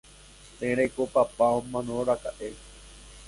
térãiko papa omanoraka'e